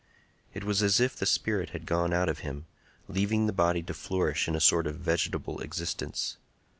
It was as if the spirit had gone out of him, leaving the body to flourish in a sort of vegetable existence.